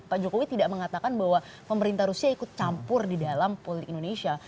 pak jokowi tidak mengatakan bahwa pemerintah rusia ikut campur di dalam politik indonesia